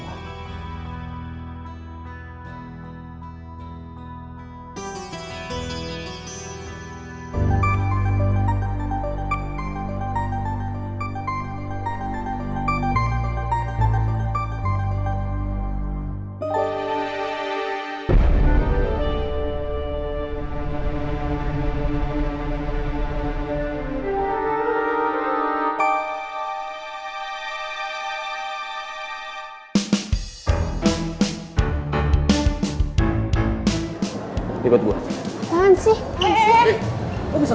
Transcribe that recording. tidak usah terlalu bernyata